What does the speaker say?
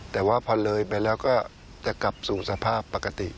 แต่ว่าพอเลยไปแล้วก็จะกลับสู่สภาพปกติ